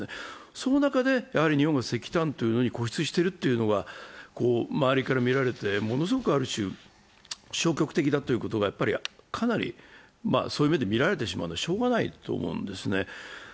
その中で日本は石炭というのに固執してるというのが周りから見られて、ある種、消極的だというのがかなりそういう目で見られてしまってもしようがないと思うんですね。